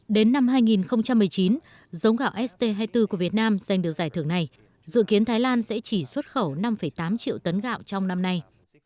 đến năm hai nghìn một mươi chín giống gạo st hai mươi bốn của việt nam giành được giải thưởng này dự kiến thái lan sẽ chỉ xuất khẩu năm tám triệu tấn gạo trong năm nay